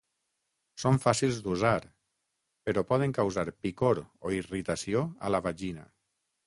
Són fàcils d'usar, però poden causar picor o irritació a la vagina.